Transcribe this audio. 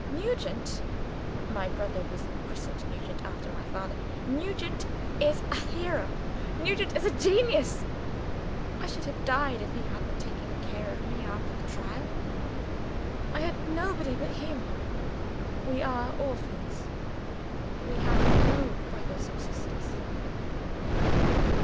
_ Nugent (my brother was christened Nugent after my father) Nugent is a hero! Nugent is a genius. I should have died if he hadn't taken care of me after the trial. I had nobody but him. We are orphans; we have no brothers or sisters.